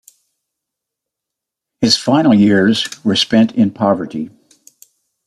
His final years were spent in poverty.